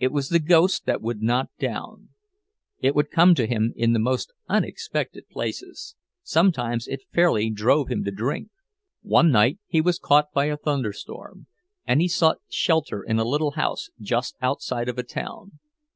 It was the ghost that would not down. It would come upon him in the most unexpected places—sometimes it fairly drove him to drink. One night he was caught by a thunderstorm, and he sought shelter in a little house just outside of a town.